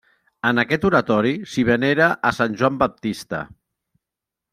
En aquest oratori s'hi venera a Sant Joan Baptista.